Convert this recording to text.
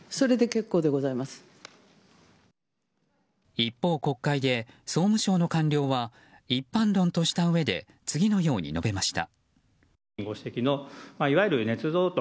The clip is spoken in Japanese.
一方、国会で総務省の官僚は一般論としたうえで次のように述べました。